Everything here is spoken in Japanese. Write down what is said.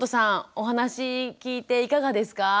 お話聞いていかがですか？